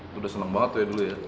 itu udah seneng banget ya dulu ya